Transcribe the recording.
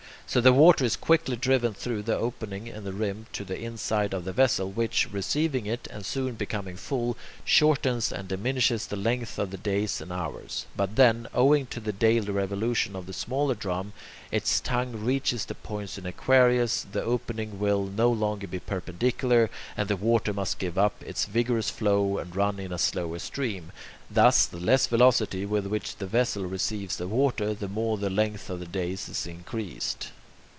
So the water is quickly driven through the opening in the rim to the inside of the vessel, which, receiving it and soon becoming full, shortens and diminishes the length of the days and hours. But when, owing to the daily revolution of the smaller drum, its tongue reaches the points in Aquarius, the opening will no longer be perpendicular, and the water must give up its vigorous flow and run in a slower stream. Thus, the less the velocity with which the vessel receives the water, the more the length of the days is increased.